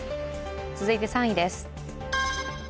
続いて３位です。